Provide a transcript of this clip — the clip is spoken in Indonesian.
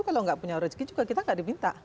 kalau nggak punya rezeki juga kita tidak diminta